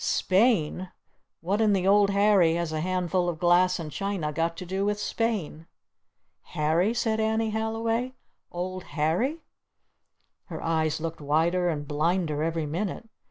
"Spain? What in the Old Harry has a handful of glass and china got to do with Spain?" "Harry?" said Annie Halliway. "Old Harry?" Her eyes looked wider and blinder every minute.